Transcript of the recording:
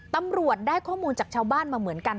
ตำรวจได้ข้อมูลจากชาวบ้านมาเหมือนกัน